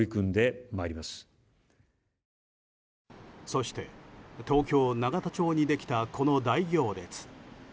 そして東京・永田町にできたこの大行列。